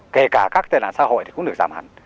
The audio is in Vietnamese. kể cả các tên ạng xã hội cũng được giảm hẳn